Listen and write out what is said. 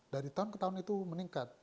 dari tahun ke tahun itu meningkat